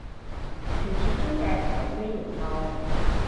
傳說中嘅手機型號